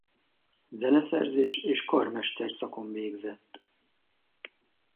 Zeneszerzés és karmester szakon végzett.